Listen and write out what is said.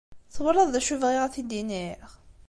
Twalaḍ d acu i bɣiɣ ad t-id-iniɣ?